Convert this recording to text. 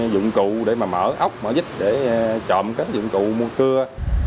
dụng cụ để mà mở ốc mở vít để trộm các dụng cụ mua cưa